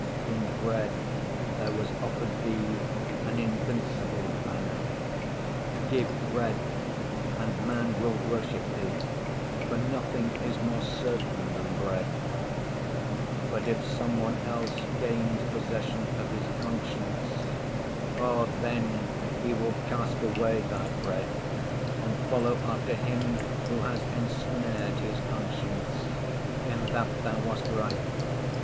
In bread there was offered Thee an invincible banner; give bread, and man will worship thee, for nothing is more certain than bread. But if some one else gains possession of his conscience—oh! then he will cast away Thy bread and follow after him who has ensnared his conscience. In that Thou wast right.